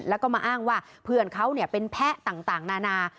แล้วก็มาอ้างว่าเพื่อนเขาเป็นแพะต่างนานา